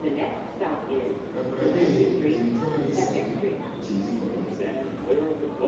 Ka tulabe emitwalo asatu kye gikola.